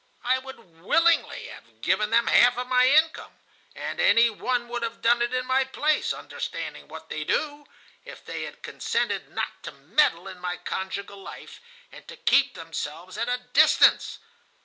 I would willingly have given them half of my income—and any one would have done it in my place, understanding what they do—if they had consented not to meddle in my conjugal life, and to keep themselves at a distance.